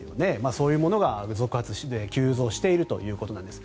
そういうものが急増しているということです。